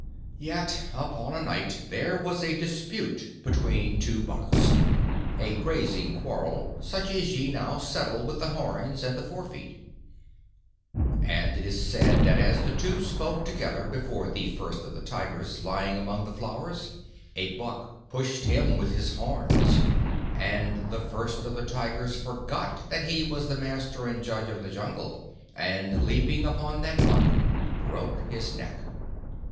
"Yet upon a night there was a dispute between two bucks a grazing quarrel such as ye now settle with the horns and the fore feet and it is said that as the two spoke together before the First of the Tigers lying among the flowers, a buck pushed him with his horns, and the First of the Tigers forgot that he was the master and judge of the Jungle, and, leaping upon that buck, broke his neck.